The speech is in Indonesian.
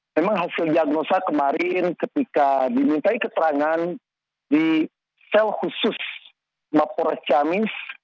memang hasil diagnosa kemarin ketika dimintai keterangan di sel khusus mapores ciamis